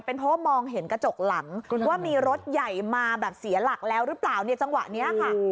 เพราะว่ามองเห็นกระจกหลังว่ามีรถใหญ่มาแบบเสียหลักแล้วหรือเปล่าเนี่ยจังหวะนี้ค่ะ